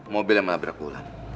mobil yang malah berakulan